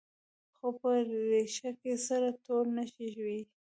خو په ریښه کې سره ټول نښتي وي.